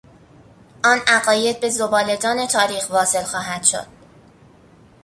آن عقاید به زباله دان تاریخ واصل خواهد شد.